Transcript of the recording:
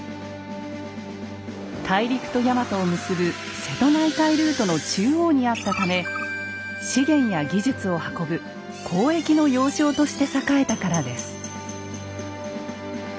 大陸とヤマトを結ぶ瀬戸内海ルートの中央にあったため資源や技術を運ぶ交易の要衝として栄えたからです。